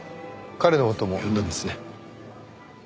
彼の事も呼んだんですね。